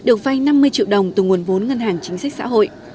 huyện tân yên được vay năm mươi triệu đồng từ nguồn vốn ngân hàng chính sách xã hội